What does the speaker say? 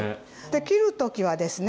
切る時はですね